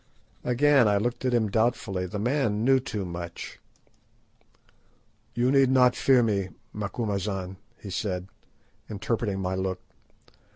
Again I looked at him doubtfully. The man knew too much. "You need not fear me, Macumazahn," he said, interpreting my look.